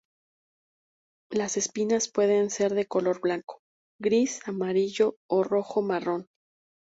Las espinas pueden ser de color blanco, gris, amarillo o rojo-marrón.